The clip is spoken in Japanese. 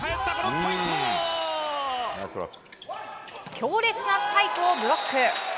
強烈なスパイクをブロック。